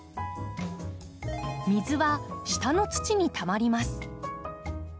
水は下の土にたまります。